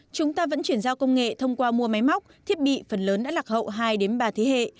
chúng ta vẫn chuyển giao công nghệ thông qua mua máy móc thiết bị phần lớn đã lạc hậu hai ba thế hệ